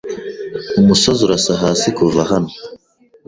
Umusozi urasa hasi kuva hano.